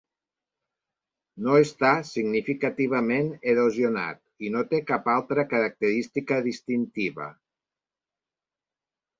No està significativament erosionat i no té cap altra característica distintiva.